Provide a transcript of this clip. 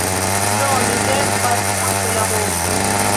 Do ni devas multe labori